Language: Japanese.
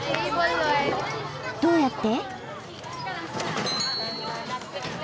どうやって？